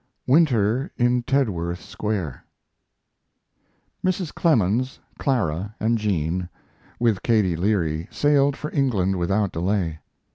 WINTER IN TEDWORTH SQUARE Mrs. Clemens, Clara, and Jean, with Katie Leary, sailed for England without delay.